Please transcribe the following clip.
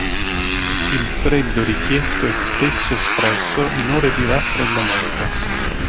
Il freddo richiesto è spesso espresso in "ore di raffreddamento".